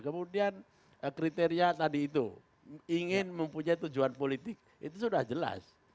kemudian kriteria tadi itu ingin mempunyai tujuan politik itu sudah jelas